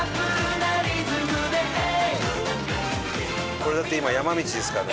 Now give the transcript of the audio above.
これだって今山道ですからね